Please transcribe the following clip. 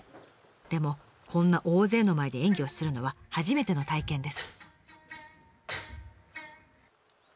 でもこんな大勢の前で演技をするのは初めての体験です。